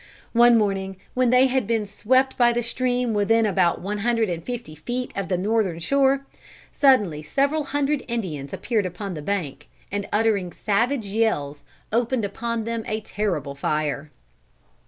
One morning when they had been swept by the stream within about one hundred and fifty feet of the northern shore, suddenly several hundred Indians appeared upon the bank, and uttering savage yells opened upon them a terrible fire.